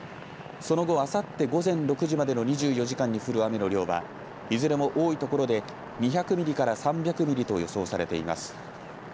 その後あさって午前６時までの２４時間に降る雨の量はいずれも多いところで２００ミリから３００ミリと予想されています。